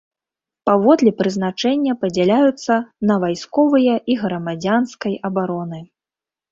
Паводле прызначэння падзяляюцца на вайсковыя і грамадзянскай абароны.